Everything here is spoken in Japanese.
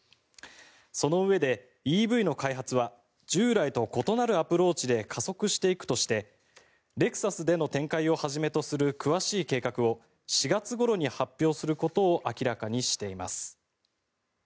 そのうえで、ＥＶの開発は従来と異なるアプローチで加速していくとしてレクサスでの展開をはじめとする詳しい計画を４月ごろに発表することを明らかにしています。